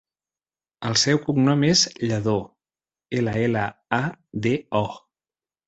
El seu cognom és Llado: ela, ela, a, de, o.